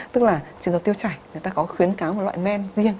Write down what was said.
tức là trường hợp tiêu chảy người ta có khuyến cáo một loại men riêng